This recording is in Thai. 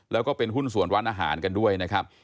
แล้วก็เป็นหุ้นส่วนร้านอาหารกันด้วยนะครับ